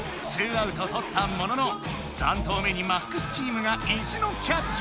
アウトとったものの３投目に「ＭＡＸ」チームが意地のキャッチ！